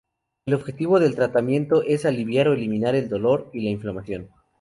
El objetivo del tratamiento es aliviar o eliminar el dolor y la inflamación.